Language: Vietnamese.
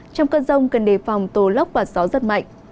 trong cơn rông cần đề phòng tố lốc và gió rất mạnh